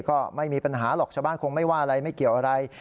ก็ไม่มีปัญหาหรอกชาวบ้านคงไม่ว่าอะไรไม่เกี่ยวอะไร